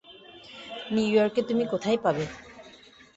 নিউইয়র্কে তুমি কোথায় পাবে?